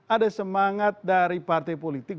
ada semangat dari partai politik